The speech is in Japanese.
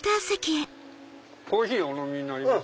コーヒーお飲みになります？